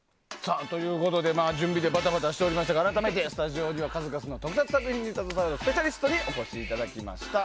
準備でバタバタしておりましたが改めて、スタジオには数々の特撮作品に携わるスペシャリストにお越しいただきました。